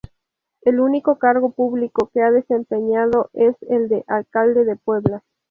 El único cargo público que ha desempeñado es el de alcalde de Puebla.